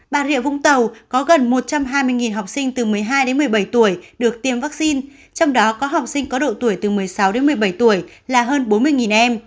bà rịa vũng tàu có gần một trăm hai mươi học sinh từ một mươi hai đến một mươi bảy tuổi được tiêm vaccine trong đó có học sinh có độ tuổi từ một mươi sáu đến một mươi bảy tuổi là hơn bốn mươi em